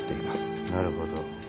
なるほど。